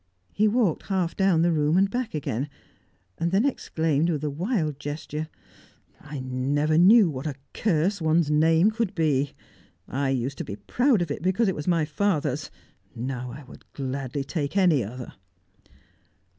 He walked half down the room and back again, then exclaimed, with a wild gesture: "I never knew what a curse one's name could be! I used to be proud of it, because it was my father's; now I would gladly take any other."